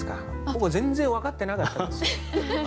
僕全然分かってなかったです。